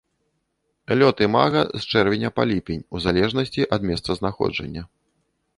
Лёт імага з чэрвеня па ліпень у залежнасці ад месцазнаходжання.